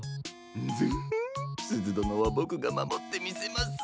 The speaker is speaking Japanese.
ンヅフッすずどのはボクがまもってみせます。